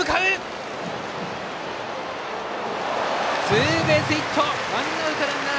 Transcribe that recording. ツーベースヒット！